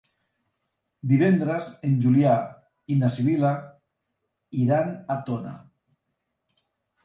Divendres en Julià i na Sibil·la iran a Tona.